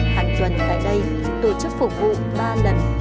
hàng tuần tại đây tổ chức phục vụ ba lần